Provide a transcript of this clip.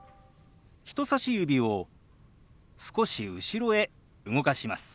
人さし指を少し後ろへ動かします。